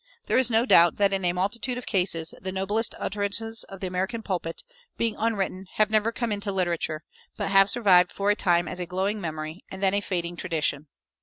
There is no doubt that in a multitude of cases the noblest utterances of the American pulpit, being unwritten, have never come into literature, but have survived for a time as a glowing memory, and then a fading tradition.